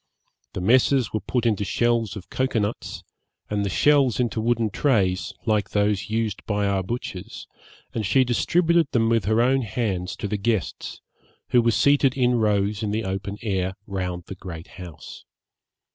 The messes were put into shells of cocoa nuts, and the shells into wooden trays, like those used by our butchers, and she distributed them with her own hands to the guests, who were seated in rows in the open air, round the great house.